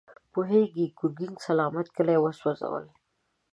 پوهېږې، ګرګين سلامت کلي وسوځول.